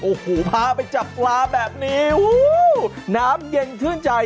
โอ้โหพาไปจับปลาแบบนี้น้ำเย็นชื่นใจ